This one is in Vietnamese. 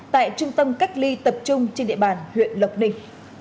tại trung tâm cách ly tập trung trên địa bàn huyện lộc ninh